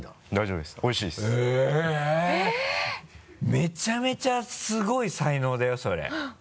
めちゃめちゃすごい才能だよそれ。